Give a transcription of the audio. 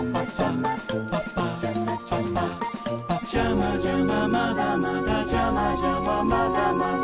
「ジャマジャマまだまだジャマジャマまだまだ」